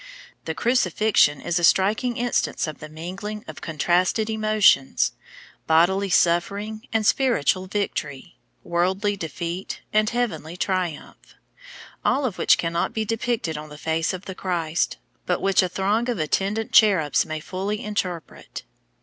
The Crucifixion is a striking instance of the mingling, of contrasted emotions, bodily suffering and spiritual victory, worldly defeat and heavenly triumph, all of which cannot be depicted on the face of the Christ, but which a throng of attendant cherubs may fully interpret.